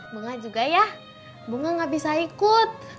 bunga juga ya bunga gak bisa ikut